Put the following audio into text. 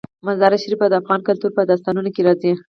مزارشریف د افغان کلتور په داستانونو کې راځي.